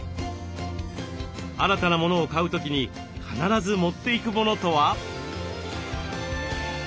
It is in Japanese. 新たな物を買う時に必ず持っていく物とは？